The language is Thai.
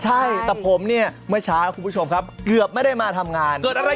ใช่แต่ผมเนี่ยเมื่อเช้าคุณผู้ชมครับเกือบไม่ได้มาทำงาน